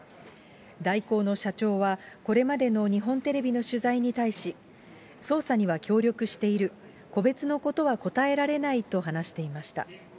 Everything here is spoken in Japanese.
大広の社長は、これまでの日本テレビの取材に対し、捜査には協力している、個別のことは答えられないと話していました。